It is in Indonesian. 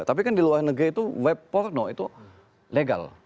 tapi kan di luar negeri itu web porno itu legal